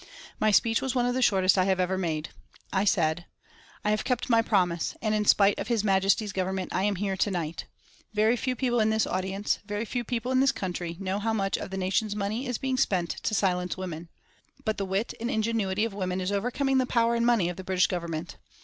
My speech was one of the shortest I have ever made. I said: "I have kept my promise, and in spite of His Majesty's Government I am here to night. Very few people in this audience, very few people in this country, know how much of the nation's money is being spent to silence women. But the wit and ingenuity of women is overcoming the power and money of the British Government.